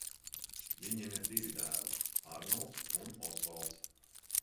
Viņiem ir divi dēli: Arnolds un Osvalds.